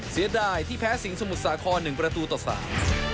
เสียดายที่แพ้สิงหมุทรสาครหนึ่งประตูต่อสาม